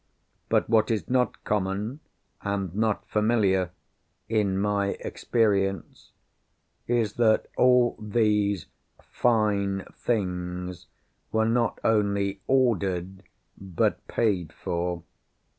But what is not common and not familiar (in my experience), is that all these fine things were not only ordered, but paid for.